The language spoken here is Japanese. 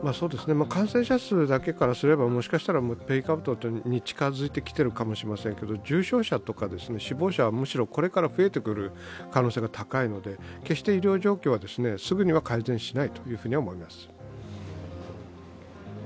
感染者数だけからすればもしかするともうピークアウトに近づいてきているかもしれませんけど重症者や死亡者はむしろこれから増えてくる可能性が高いので決して医療状況はすぐには改善しないとは思います。